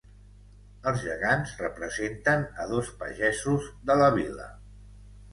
Els gegants representen a dos pagesos de la vila.